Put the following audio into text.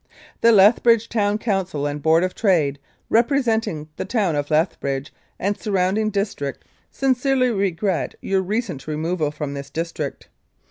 "The Lethbridge Town Council and Board of Trade, representing the Town of Lethbridge and surrounding district, sincerely regret your recent removal from this district.